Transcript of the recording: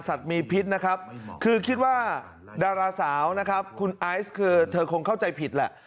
มีพิษนะครับคือคิดว่าดาราสาวนะครับคุณไอซ์คือเธอคงเข้าใจผิดแหละ